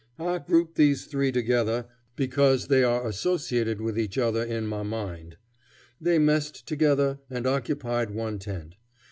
I group these three together because they are associated with each other in my mind. They messed together, and occupied one tent.